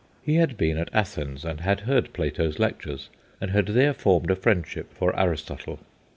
He had been at Athens and had heard Plato's lectures, and had there formed a friendship for Aristotle.